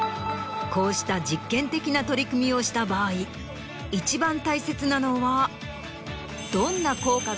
こうした実験的な取り組みをした場合一番大切なのは。